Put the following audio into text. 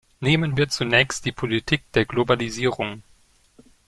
Nehmen wir zunächst die Politik der Globalisierung.